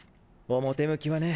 表向きはね。